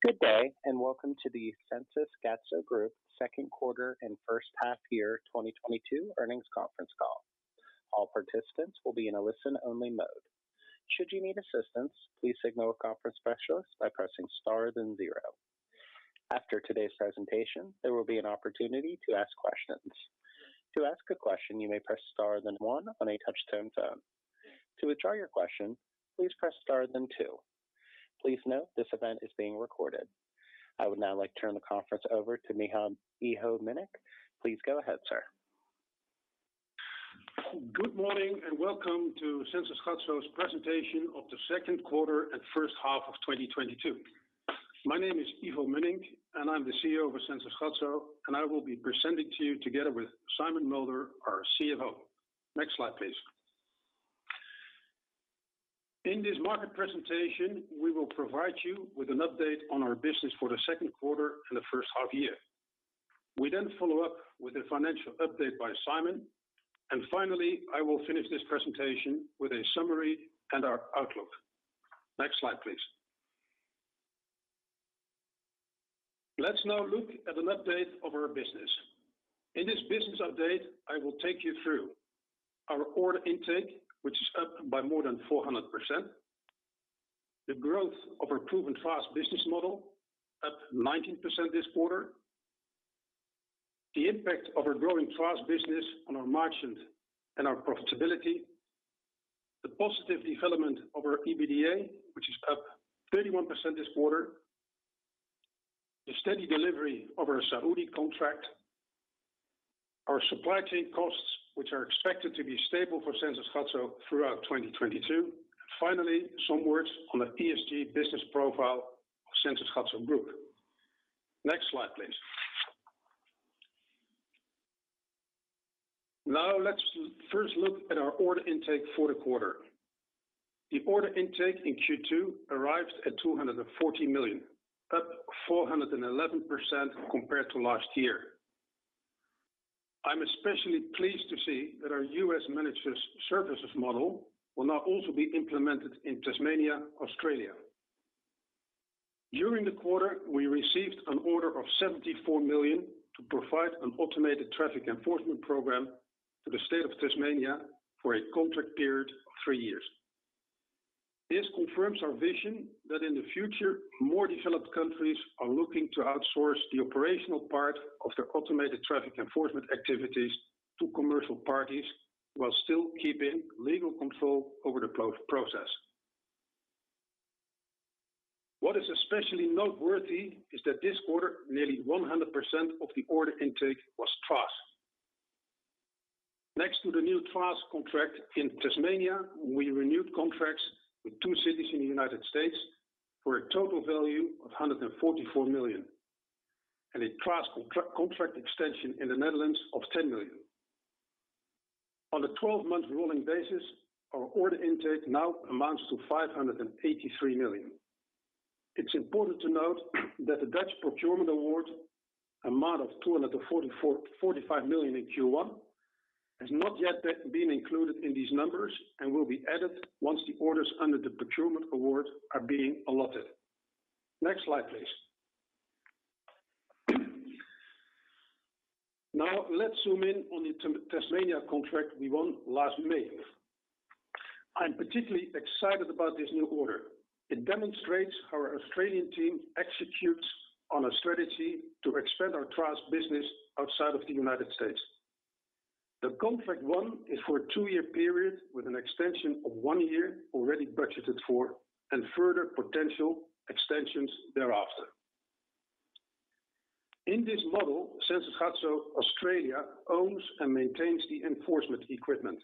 Good day, and welcome to the Sensys Gatso Group Second Quarter and First Half-Year 2022 Earnings Conference Call. All participants will be in a listen-only mode. Should you need assistance, please signal a conference specialist by pressing Star then zero. After today's presentation, there will be an opportunity to ask questions. To ask a question, you may press Star then one on a touch-tone phone. To withdraw your question, please press Star then two. Please note, this event is being recorded. I would now like to turn the conference over to Ivo Mönnink. Please go ahead, sir. Good morning, and welcome to Sensys Gatso's presentation of the second quarter and first half of 2022. My name is Ivo Mönnink, and I'm the CEO of Sensys Gatso, and I will be presenting to you together with Simon Mulder, our CFO. Next slide, please. In this market presentation, we will provide you with an update on our business for the second quarter and the first half year. We then follow up with a financial update by Simon. Finally, I will finish this presentation with a summary and our outlook. Next slide, please. Let's now look at an update of our business. In this business update, I will take you through our order intake, which is up by more than 400%, the growth of our proven TRaaS business model, up 19% this quarter, the impact of our growing TRaaS business on our margins and our profitability, the positive development of our EBITDA, which is up 31% this quarter, the steady delivery of our Saudi contract, our supply chain costs, which are expected to be stable for Sensys Gatso throughout 2022. Finally, some words on the ESG business profile of Sensys Gatso Group. Next slide, please. Now, let's first look at our order intake for the quarter. The order intake in Q2 arrived at 240 million, up 411% compared to last year. I'm especially pleased to see that our US Managed Services model will now also be implemented in Tasmania, Australia. During the quarter, we received an order of 74 million to provide an automated traffic enforcement program to the state of Tasmania for a contract period of three years. This confirms our vision that in the future, more developed countries are looking to outsource the operational part of their automated traffic enforcement activities to commercial parties while still keeping legal control over the process. What is especially noteworthy is that this quarter, nearly 100% of the order intake was TRaaS. Next to the new TRaaS contract in Tasmania, we renewed contracts with two cities in the United States for a total value of 144 million, and a TRaaS contract extension in the Netherlands of 10 million. On a 12-month rolling basis, our order intake now amounts to 583 million. It's important to note that the Dutch procurement award, amount of 244 million-245 million in Q1, has not yet been included in these numbers and will be added once the orders under the procurement award are being allotted. Next slide, please. Now, let's zoom in on the Tasmania contract we won last May. I'm particularly excited about this new order. It demonstrates how our Australian team executes on a strategy to expand our TaaS business outside of the United States. The contract won is for a two-year period with an extension of 1 year already budgeted for and further potential extensions thereafter. In this model, Sensys Gatso Australia owns and maintains the enforcement equipment.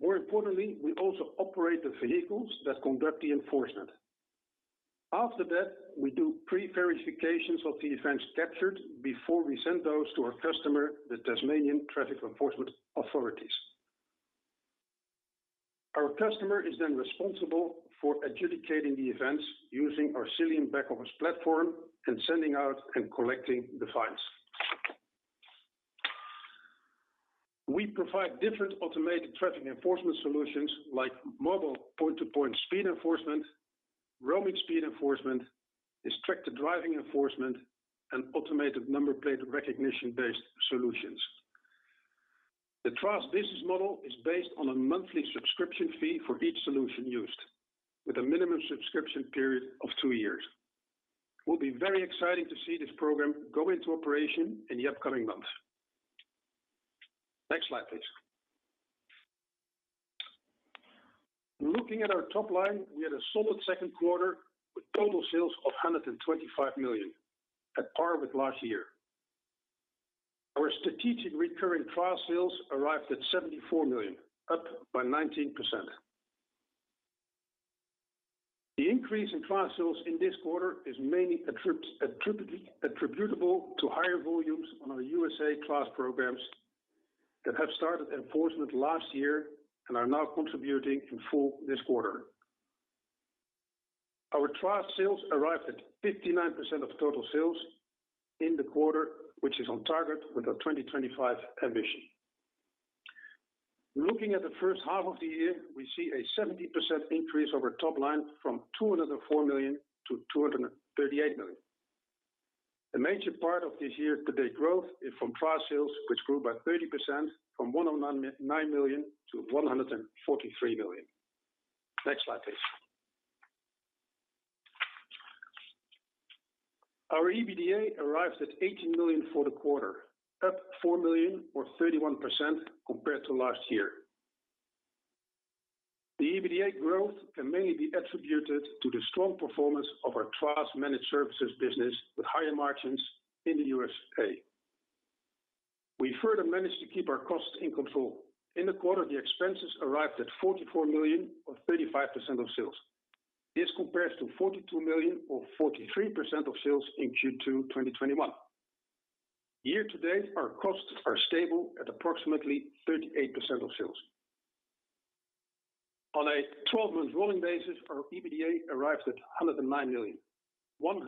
More importantly, we also operate the vehicles that conduct the enforcement. After that, we do pre-verifications of the events captured before we send those to our customer, the Tasmanian Traffic Enforcement Authorities. Our customer is then responsible for adjudicating the events using our Xilium back office platform and sending out and collecting the fines. We provide different automated traffic enforcement solutions like mobile point-to-point speed enforcement, roaming speed enforcement, distracted driving enforcement, and Automatic Number Plate Recognition-based solutions. The TRaaS business model is based on a monthly subscription fee for each solution used with a minimum subscription period of two years. We'll be very excited to see this program go into operation in the upcoming months. Next slide, please. Looking at our top line, we had a solid second quarter with total sales of 125 million at par with last year. Our strategic recurring TRaaS sales arrived at 74 million, up by 19%. The increase in TRaaS sales in this quarter is mainly attributable to higher volumes on our USA TRaaS programs that have started enforcement last year and are now contributing in full this quarter. Our TRaaS sales arrived at 59% of total sales in the quarter, which is on target with our 2025 ambition. Looking at the first half of the year, we see a 70% increase of our top line from 204 million to 238 million. The major part of this year-to-date growth is from TRaaS sales, which grew by 30% from 109 million to 143 million. Next slide, please. Our EBITDA arrives at 18 million for the quarter, up 4 million or 31% compared to last year. The EBITDA growth can mainly be attributed to the strong performance of our TRaaS managed services business with higher margins in the USA. We further managed to keep our costs in control. In the quarter, the expenses arrived at 44 million or 35% of sales. This compares to 42 million or 43% of sales in Q2 2021. Year-to-date, our costs are stable at approximately 38% of sales. On a 12-month rolling basis, our EBITDA arrives at 109 million, 100%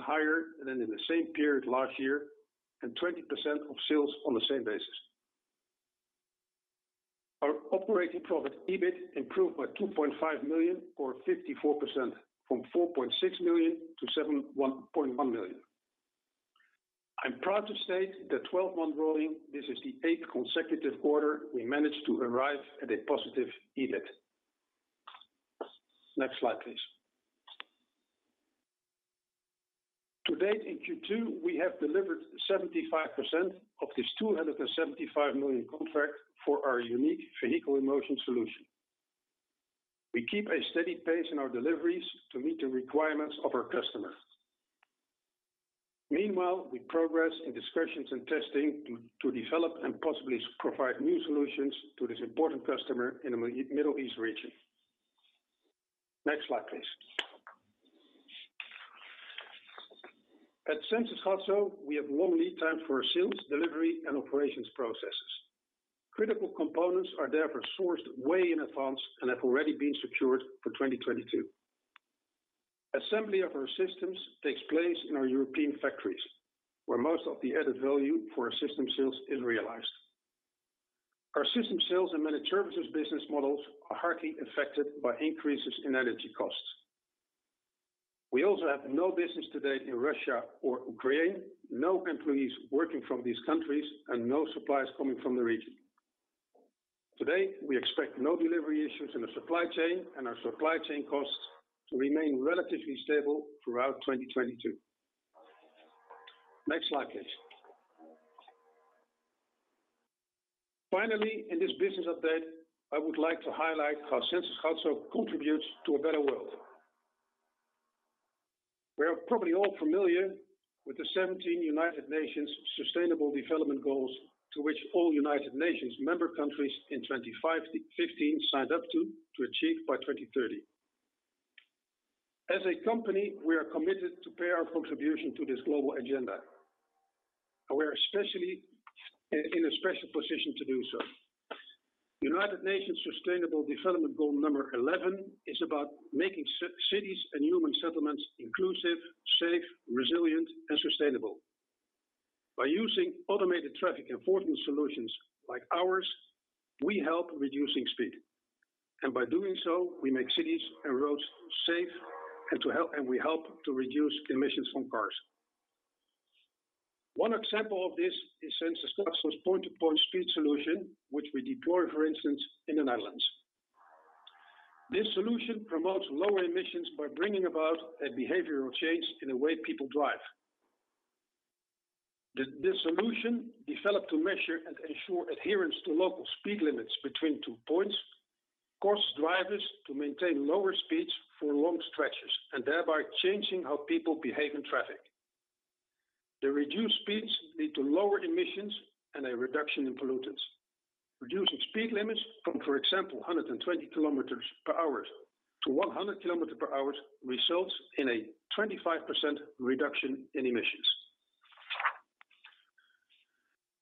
higher than in the same period last year, and 20% of sales on the same basis. Our operating profit, EBIT, improved by 2.5 million or 54% from 4.6 million to 7.1 million. I'm proud to state that 12-month rolling, this is the eighth consecutive quarter we managed to arrive at a positive EBIT. Next slide, please. To date in Q2, we have delivered 75% of this 275 million contract for our unique Vehicle-in-Motion solution. We keep a steady pace in our deliveries to meet the requirements of our customers. Meanwhile, we progress in discussions and testing to develop and possibly provide new solutions to this important customer in the Middle East region. Next slide, please. At Sensys Gatso, we have long lead time for our sales, delivery, and operations processes. Critical components are therefore sourced way in advance and have already been secured for 2022. Assembly of our systems takes place in our European factories, where most of the added value for our system sales is realized. Our system sales and managed services business models are hardly affected by increases in energy costs. We also have no business to date in Russia or Ukraine, no employees working from these countries, and no suppliers coming from the region. To date, we expect no delivery issues in the supply chain and our supply chain costs to remain relatively stable throughout 2022. Next slide, please. Finally, in this business update, I would like to highlight how Sensys Gatso contributes to a better world. We are probably all familiar with the 17 United Nations Sustainable Development Goals to which all United Nations member countries in 2015 signed up to achieve by 2030. As a company, we are committed to pay our contribution to this global agenda. We're especially in a special position to do so. United Nations Sustainable Development Goal number 11 is about making cities and human settlements inclusive, safe, resilient, and sustainable. By using automated traffic enforcement solutions like ours, we help reducing speed. By doing so, we make cities and roads safe and we help to reduce emissions from cars. One example of this is Sensys Gatso's point-to-point speed solution, which we deploy, for instance, in the Netherlands. This solution promotes lower emissions by bringing about a behavioral change in the way people drive. This solution developed to measure and ensure adherence to local speed limits between two points, cause drivers to maintain lower speeds for long stretches, and thereby changing how people behave in traffic. The reduced speeds lead to lower emissions and a reduction in pollutants. Reducing speed limits from, for example, 120 kilometers per hour to 100 kilometer per hour, results in a 25% reduction in emissions.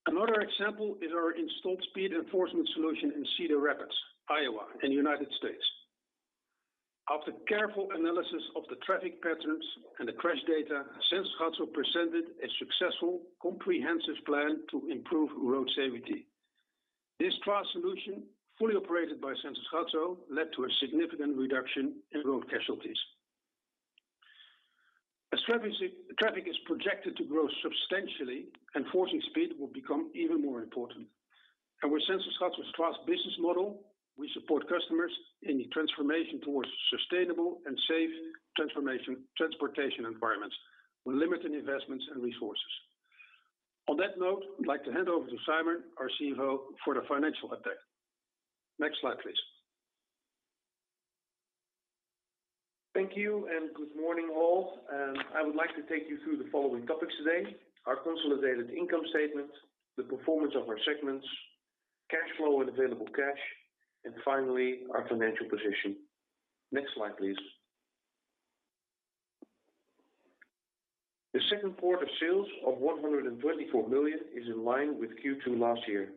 Another example is our installed speed enforcement solution in Cedar Rapids, Iowa, in the United States. After careful analysis of the traffic patterns and the crash data, Sensys Gatso presented a successful comprehensive plan to improve road safety. This TRaaS solution, fully operated by Sensys Gatso, led to a significant reduction in road casualties. As traffic is projected to grow substantially, enforcing speed will become even more important. With Sensys Gatso's TRaaS business model, we support customers in the transformation towards sustainable and safe transportation environments with limited investments and resources. On that note, I'd like to hand over to Simon, our CFO, for the financial update. Next slide, please. Thank you, and good morning, all. I would like to take you through the following topics today: our consolidated income statement, the performance of our segments, cash flow and available cash, and finally, our financial position. Next slide, please. The second quarter sales of 124 million is in line with Q2 last year.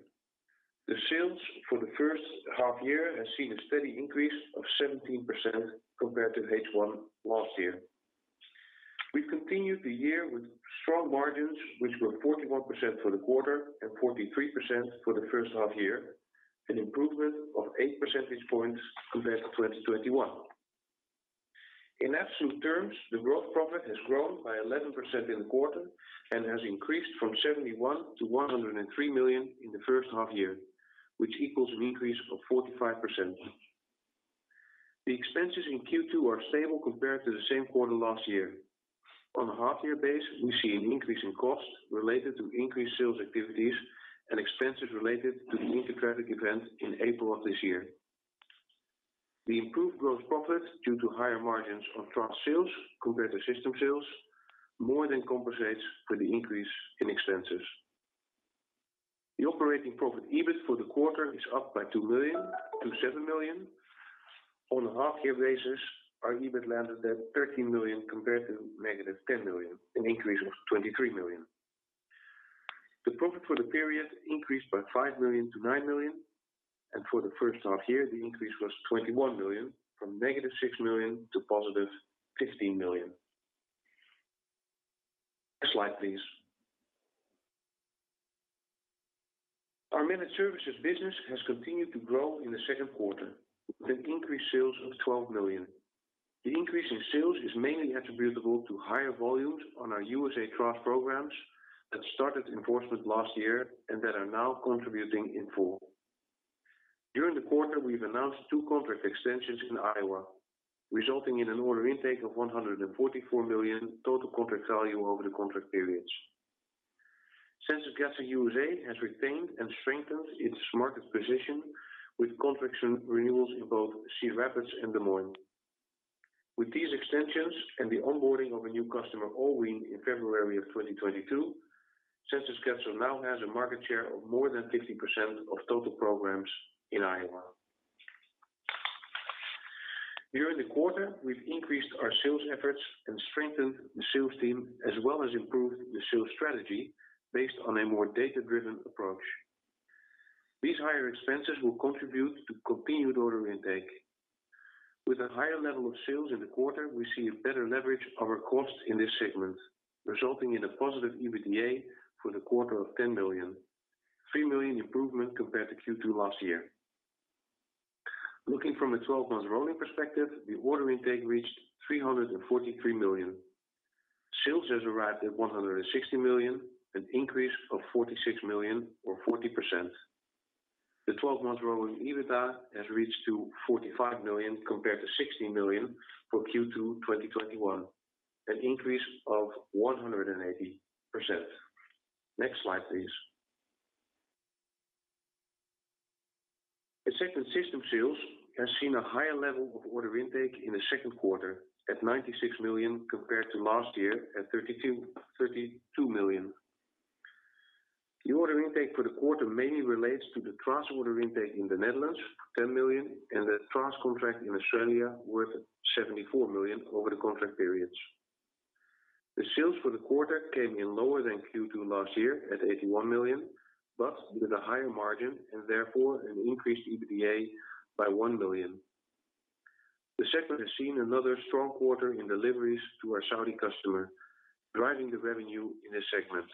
The sales for the first half year has seen a steady increase of 17% compared to H1 last year. We've continued the year with strong margins, which were 41% for the quarter and 43% for the first half year, an improvement of 8 percentage points compared to 2021. In absolute terms, the growth profit has grown by 11% in the quarter and has increased from 71 million to 103 million in the first half year, which equals an increase of 45%. The expenses in Q2 are stable compared to the same quarter last year. On a half-year basis, we see an increase in costs related to increased sales activities and expenses related to the Intertraffic event in April of this year. The improved gross profit due to higher margins on TRaaS sales compared to system sales more than compensates for the increase in expenses. The operating profit EBIT for the quarter is up by 2 million to 7 million. On a half-year basis, our EBIT landed at 13 million compared to -10 million, an increase of 23 million. The profit for the period increased by 5 million to 9 million, and for the first half year, the increase was 21 million from -6 million tom +15 million. Next slide, please. Our Managed Services business has continued to grow in the second quarter with increased sales of 12 million. The increase in sales is mainly attributable to higher volumes on our TRaaS programs that started enforcement last year and that are now contributing in full. During the quarter, we've announced two contract extensions in Iowa, resulting in an order intake of 144 million total contract value over the contract periods. Sensys Gatso USA has retained and strengthened its market position with contract renewals in both Cedar Rapids and Des Moines. With these extensions and the onboarding of a new customer, Altoona, in February of 2022, Sensys Gatso now has a market share of more than 50% of total programs in Iowa. During the quarter, we've increased our sales efforts and strengthened the sales team, as well as improved the sales strategy based on a more data-driven approach. These higher expenses will contribute to continued order intake. With a higher level of sales in the quarter, we see a better leverage of our costs in this segment, resulting in a positive EBITDA for the quarter of 10 million, 3 million improvement compared to Q2 last year. Looking from a 12-month rolling perspective, the order intake reached 343 million. Sales has arrived at 160 million, an increase of 46 million or 40%. The 12-month rolling EBITDA has reached to 45 million compared to 16 million for Q2 2021, an increase of 180%. Next slide, please. The Systems segment sales has seen a higher level of order intake in the second quarter at 96 million compared to last year at 32 million. The order intake for the quarter mainly relates to the TRaaS order intake in the Netherlands, 10 million, and the TRaaS contract in Australia worth 74 million over the contract periods. The sales for the quarter came in lower than Q2 last year at 81 million, but with a higher margin and therefore an increased EBITDA by 1 million. The segment has seen another strong quarter in deliveries to our Saudi customer, driving the revenue in this segment,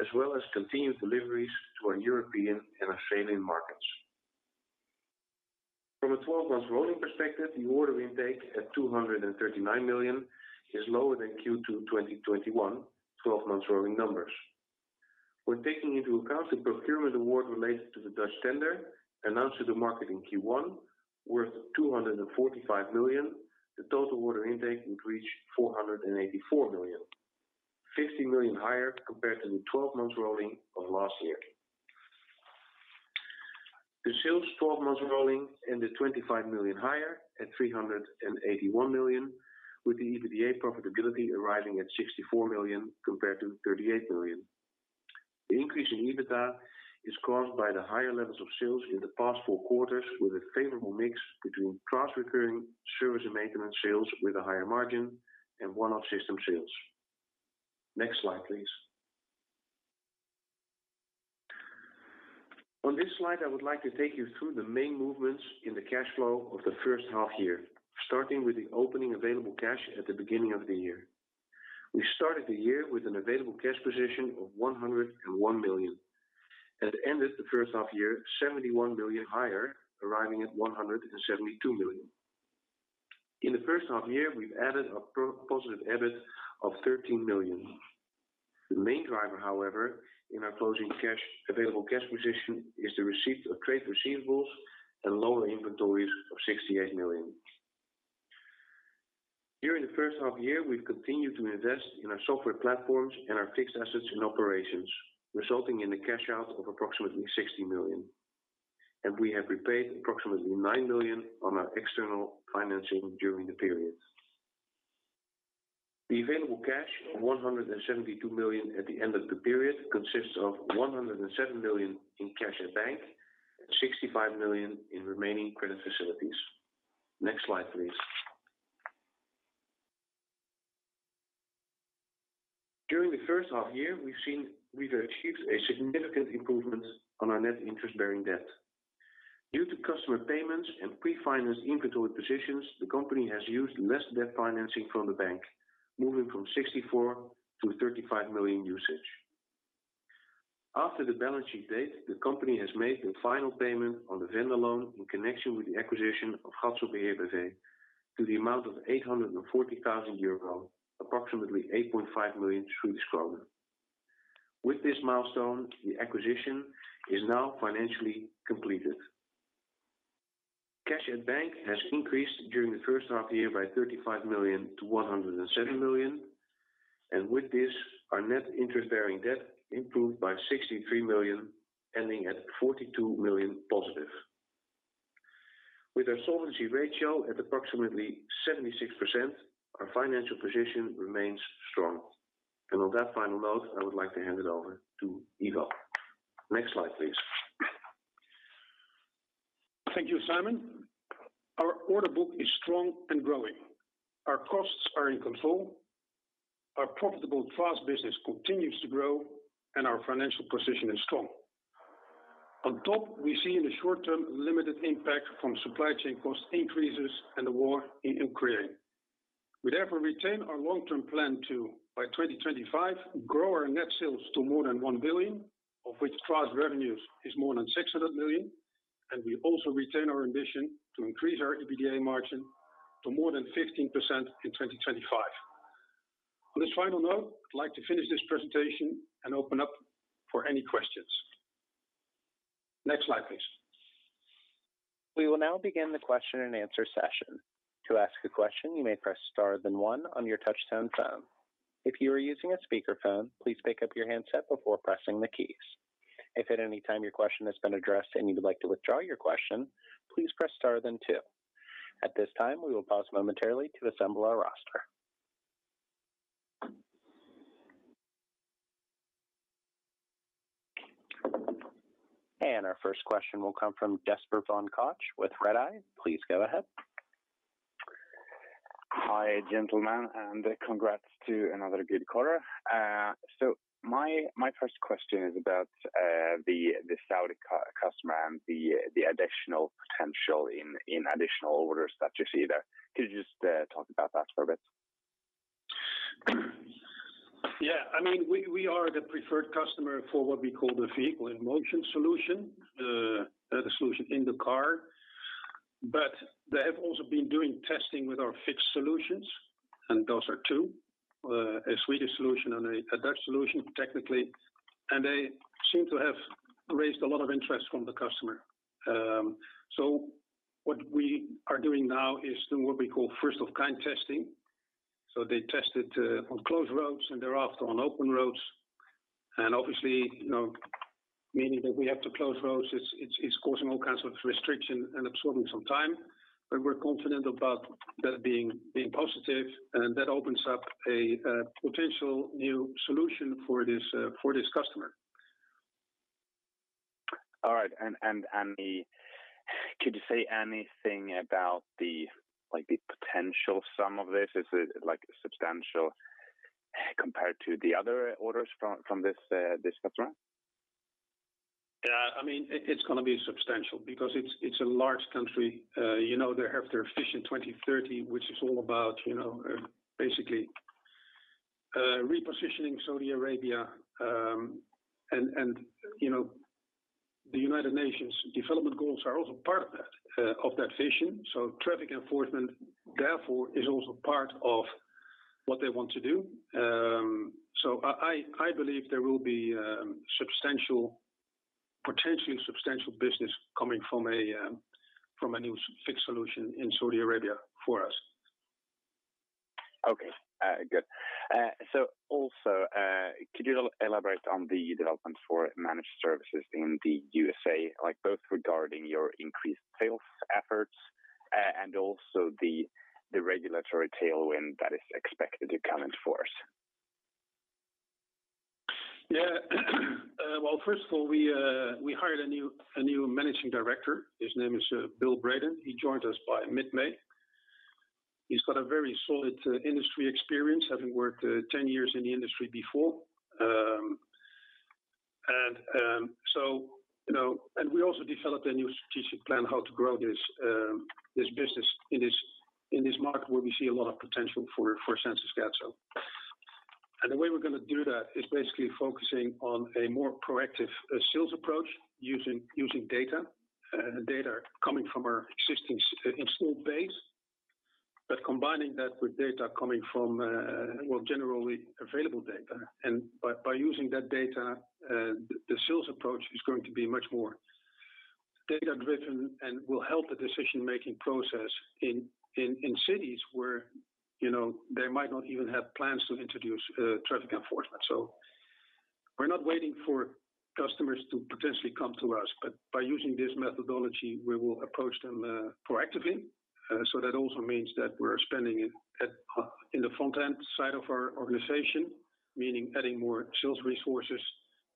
as well as continued deliveries to our European and Australian markets. From a 12-month rolling perspective, the order intake at 239 million is lower than Q2 2021 12-month rolling numbers. When taking into account the procurement award related to the Dutch tender announced to the market in Q1 worth 245 million, the total order intake would reach 484 million, 50 million higher compared to the 12-month rolling of last year. The sales 12-month rolling ended 25 million higher at 381 million, with the EBITDA profitability arriving at 64 million compared to 38 million. The increase in EBITDA is caused by the higher levels of sales in the past four quarters with a favorable mix between true recurring service and maintenance sales with a higher margin and one-off system sales. Next slide, please. On this slide, I would like to take you through the main movements in the cash flow of the first half year, starting with the opening available cash at the beginning of the year. We started the year with an available cash position of 101 million, and it ended the first half year 71 million higher, arriving at 172 million. In the first half year, we've added a positive EBIT of 13 million. The main driver, however, in our closing cash, available cash position is the receipt of trade receivables and lower inventories of 68 million. During the first half year, we've continued to invest in our software platforms and our fixed assets and operations, resulting in a cash out of approximately 60 million. We have repaid approximately 9 million on our external financing during the period. The available cash of 172 million at the end of the period consists of 107 million in cash at bank and 65 million in remaining credit facilities. Next slide, please. During the first half year, we've achieved a significant improvement on our net interest-bearing debt. Due to customer payments and pre-financed inventory positions, the company has used less debt financing from the bank, moving from 64 million to 35 million usage. After the balance sheet date, the company has made the final payment on the vendor loan in connection with the acquisition of Gatso Beheer B.V. to the amount of 840,000 euro, approximately 8.5 million. With this milestone, the acquisition is now financially completed. Cash at bank has increased during the first half year by 35 million to 107 million, and with this, our net interest-bearing debt improved by 63 million, ending at +42 million. With our solvency ratio at approximately 76%, our financial position remains strong. On that final note, I would like to hand it over to Ivo. Next slide, please. Thank you, Simon. Our order book is strong and growing. Our costs are in control. Our profitable TRaaS business continues to grow, and our financial position is strong. On top, we see in the short term, limited impact from supply chain cost increases and the war in Ukraine. We therefore retain our long-term plan to, by 2025, grow our net sales to more than 1 billion, of which TRaaS revenues is more than 600 million. We also retain our ambition to increase our EBITDA margin to more than 15% in 2025. On this final note, I'd like to finish this presentation and open up for any questions. Next slide, please. We will now begin the question-and-answer session. To ask a question, you may press star then one on your touchtone phone. If you are using a speakerphone, please pick up your handset before pressing the keys. If at any time your question has been addressed and you would like to withdraw your question, please press star then two. At this time, we will pause momentarily to assemble our roster. Our first question will come from Jesper von Koch with Redeye. Please go ahead. Hi, gentlemen, and congrats to another good quarter. My first question is about the Saudi customer and the additional potential in additional orders that you see there. Could you just talk about that for a bit? Yeah. I mean, we are the preferred customer for what we call the Vehicle-in-Motion solution, the solution in the car. They have also been doing testing with our fixed solutions, and those are two, a Swedish solution and a Dutch solution, technically. They seem to have raised a lot of interest from the customer. What we are doing now is doing what we call first of kind testing. They test it on closed roads and thereafter on open roads. Obviously, you know, meaning that we have to close roads, it's causing all kinds of restriction and absorbing some time. We're confident about that being positive, and that opens up a potential new solution for this customer. All right. Could you say anything about the, like, the potential sum of this? Is it, like, substantial compared to the other orders from this customer? Yeah, I mean, it's gonna be substantial because it's a large country. You know, they have their Vision 2030, which is all about, you know, basically repositioning Saudi Arabia. The United Nations Sustainable Development Goals are also part of that vision. Traffic enforcement, therefore, is also part of what they want to do. I believe there will be potentially substantial business coming from a new fixed solution in Saudi Arabia for us. Also, could you elaborate on the development for managed services in the USA, like both regarding your increased sales efforts, and also the regulatory tailwind that is expected to come into force? Yeah. Well, first of all, we hired a new managing director. His name is Bill Braden. He joined us by mid-May. He's got a very solid industry experience, having worked 10 years in the industry before. We also developed a new strategic plan how to grow this business in this market where we see a lot of potential for Sensys Gatso. The way we're gonna do that is basically focusing on a more proactive sales approach using data coming from our existing installed base. Combining that with data coming from generally available data. By using that data, the sales approach is going to be much more data-driven and will help the decision-making process in cities where, you know, they might not even have plans to introduce traffic enforcement. We're not waiting for customers to potentially come to us, but by using this methodology, we will approach them proactively. That also means that we're spending it in the front-end side of our organization, meaning adding more sales resources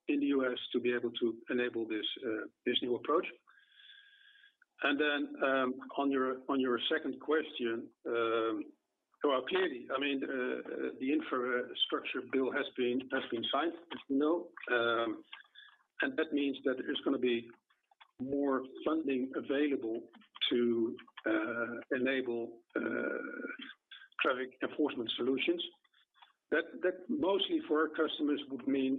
in the U.S. to be able to enable this new approach. On your second question, well, clearly, I mean, the infrastructure bill has been signed, as you know, and that means that there's gonna be more funding available to enable traffic enforcement solutions. That, mostly for our customers, would mean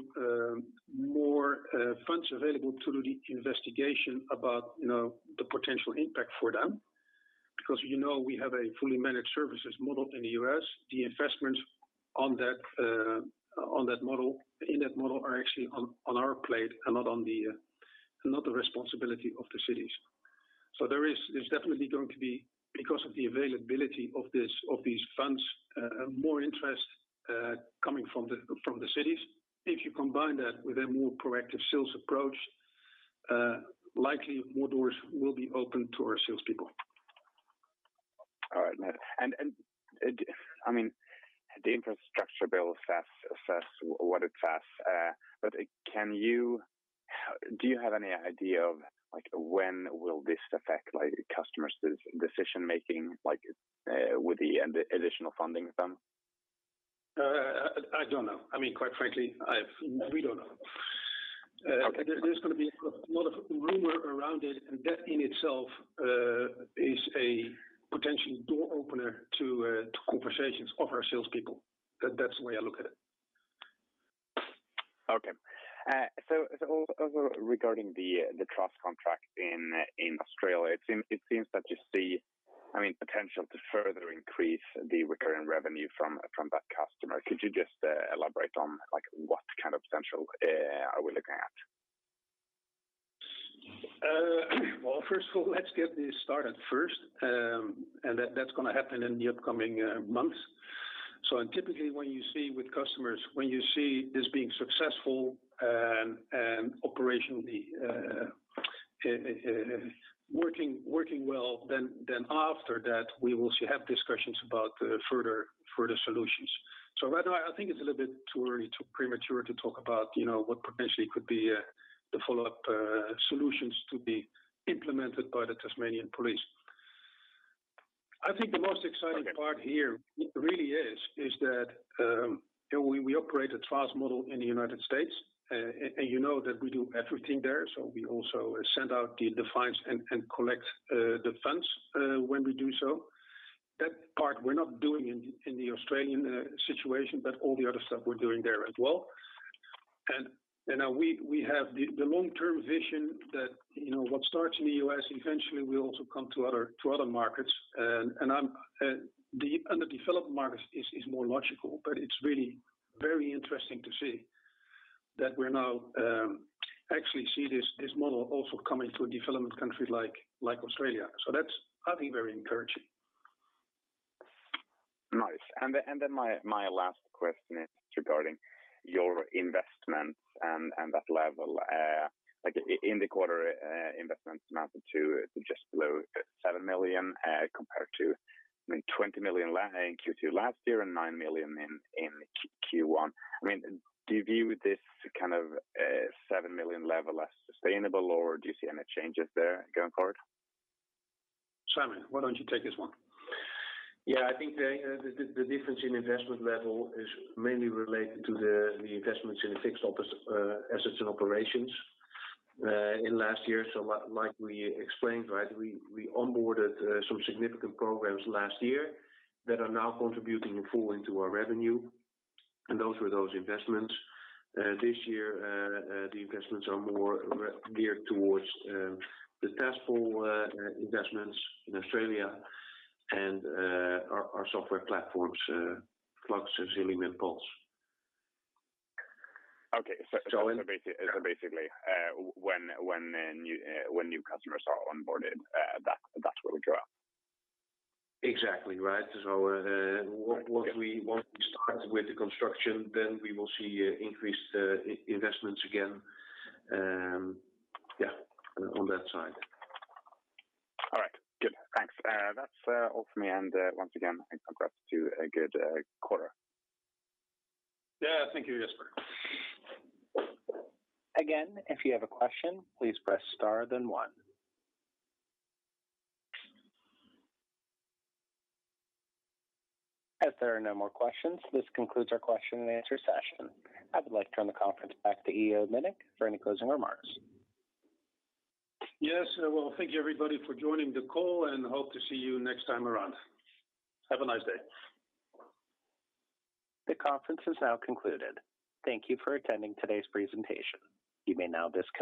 more funds available to do the investigation about, you know, the potential impact for them. Because, you know, we have a fully managed services model in the U.S. The investments in that model are actually on our plate and not the responsibility of the cities. There's definitely going to be, because of the availability of these funds, more interest coming from the cities. If you combine that with a more proactive sales approach, likely more doors will be opened to our salespeople. All right. I mean, the infrastructure bill says what it says. But do you have any idea of, like, when will this affect, like, customers' decision-making, like, with the additional funding from? I don't know. I mean, quite frankly, we don't know. Okay. There's gonna be a lot of rumor around it, and that in itself is a potential door opener to conversations of our salespeople. That's the way I look at it. Okay, also regarding the TRaaS contract in Australia, it seems that you see, I mean, potential to further increase the recurring revenue from that customer. Could you just elaborate on, like, what kind of potential are we looking at? Well, first of all, let's get this started first, and that's gonna happen in the upcoming months. Typically when you see with customers this being successful and operationally working well, then after that, we will have discussions about further solutions. Right now I think it's a little bit too early, too premature to talk about, you know, what potentially could be the follow-up solutions to be implemented by the Tasmania Police. I think the most exciting part here really is that we operate a trust model in the United States, and you know that we do everything there. We also send out the fines and collect the funds when we do so. That part we're not doing in the Australian situation, but all the other stuff we're doing there as well. Now we have the long-term vision that, you know, what starts in the U.S. eventually will also come to other markets. The under-developed markets is more logical, but it's really very interesting to see that we're now actually seeing this model also coming to a developing country like Australia. That's, I think, very encouraging. Nice. Then my last question is regarding your investments and that level. Like in the quarter, investments amounted to just below 7 million, compared to 20 million in Q2 last year and 9 million in Q1. I mean, do you view this kind of 7 million level as sustainable, or do you see any changes there going forward? Simon, why don't you take this one? Yeah, I think the difference in investment level is mainly related to the investments in the fixed office assets and operations in last year. Like we explained, right, we onboarded some significant programs last year that are now contributing in full into our revenue, and those were those investments. This year, the investments are more geared towards the task force investments in Australia and our software platforms, Flux and Xilium and Puls. Okay. So in- Basically, when new customers are onboarded, that's where we draw. Exactly right. Once we start with the construction, then we will see increased investments again, yeah, on that side. All right. Good. Thanks. That's all from me. Once again, congrats to a good quarter. Yeah. Thank you, Jesper. Again, if you have a question, please press star then one. As there are no more questions, this concludes our question and answer session. I would like to turn the conference back to Ivo Mönnink for any closing remarks. Yes. Well, thank you everybody for joining the call, and hope to see you next time around. Have a nice day. The conference is now concluded. Thank you for attending today's presentation. You may now disconnect.